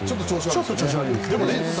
ちょっと調子が悪いです。